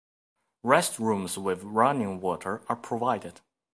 Restrooms with running water are provided.